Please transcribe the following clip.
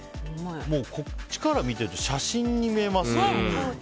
こっちから見ていると写真に見えますね。